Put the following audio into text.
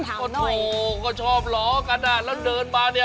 ถามหน่อยก็โถเค้าชอบล้อกันน่ะแล้วเดินมา